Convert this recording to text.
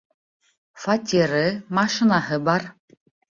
Фатиры, машинаһы бар.